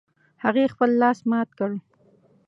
هغې خپل لاس مات کړ